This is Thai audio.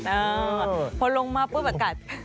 เออพอลงมาเพื่อประกัด